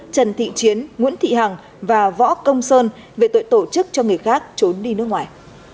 trần thị chiến nguyễn thị hằng và võ công sơn về tội tổ chức cho người khác trốn đi nước ngoài